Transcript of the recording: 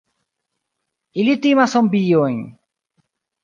Ili timas zombiojn!